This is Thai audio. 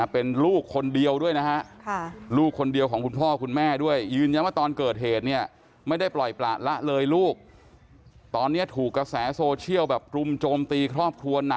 เป็นลูกคนเดียวด้วยนะครับค่ะ